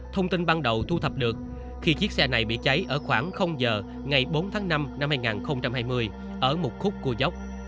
thông tin ban đầu thu thập được khi chiếc xe này bị cháy ở khoảng giờ ngày bốn năm hai nghìn hai mươi ở một khúc của dốc